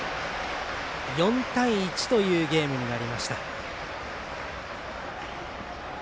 ４対１というゲームになりました。